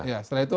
iya setelah itu